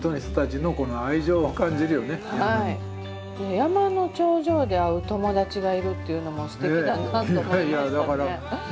山の頂上で会う友達がいるっていうのもすてきだなと思いましたね。